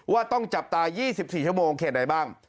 ว่าต้องจับตา๒๔ชั่วโมงเขตใดบ้าง